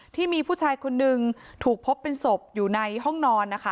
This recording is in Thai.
ที่มีผู้ชายคนนึงถูกพบเป็นศพอยู่ในห้องนอนนะคะ